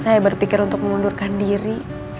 saya berpikir untuk mengundurkan diri